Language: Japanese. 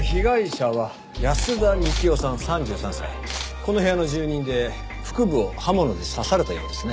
この部屋の住人で腹部を刃物で刺されたようですね。